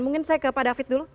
mungkin saya ke pak david dulu